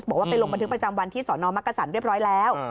บอกว่าไปลงบันทึกประจำวันที่สอนอมักกษันเรียบร้อยแล้ว